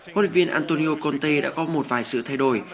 hội viên antonio conte đã có một vài sự thay đổi